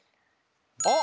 あっ！